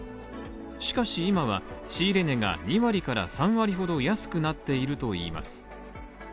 しかし今は仕入れ値が２割から３割ほど安くなっているといいます。